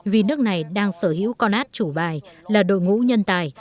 vì nước này đang sở hữu conad chủ bài là đội ngũ nhân tài